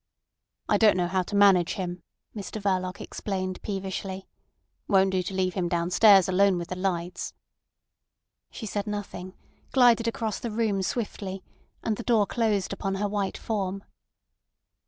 "I don't know how to manage him," Mr Verloc explained peevishly. "Won't do to leave him downstairs alone with the lights." She said nothing, glided across the room swiftly, and the door closed upon her white form.